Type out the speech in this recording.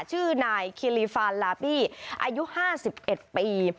ชื่อนายคิลิฟานลาบี้อายุ๕๑ปี